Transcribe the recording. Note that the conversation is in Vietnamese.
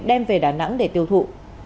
đem về đà nẵng để tiêu thụ